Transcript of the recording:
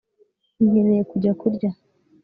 Nkeneye kujya kurya